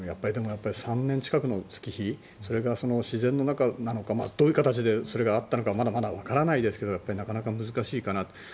やっぱり３年近くの月日それから自然の中なのかどういう形でそれがあったのかまだまだわからないですがなかなか難しいかなと。